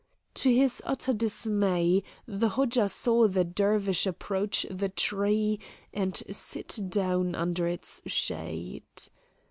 To his utter dismay, the Hodja saw the Dervish approach the tree and sit down under its shade.